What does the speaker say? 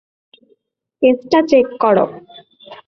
কেসটা চেক করো।